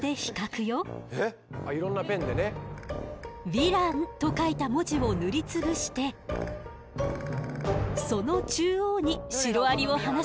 「ヴィラン」と書いた文字を塗りつぶしてその中央にシロアリを放すわ。